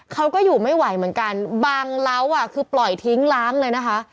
เขาก็อยู่ไม่ไหวเหมือนกันบางเล้าอ่ะคือปล่อยทิ้งล้างเลยนะคะ